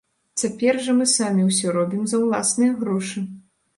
Цяпер жа мы самі ўсё робім за ўласныя грошы.